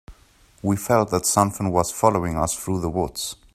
We felt that something was following us through the woods.